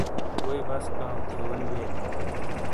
ووئی بسکاؤتھیونی بیلی۔